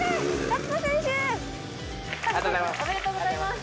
ありがとうございます。